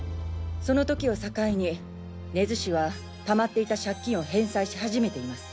その時を境に根津氏は溜まっていた借金を返済し始めています。